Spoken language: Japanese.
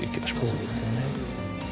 そうですよね。